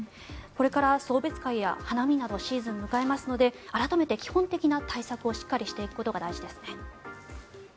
これから送別会や花見などシーズンを迎えますので改めて基本的な対策をしていくことが大事ですね。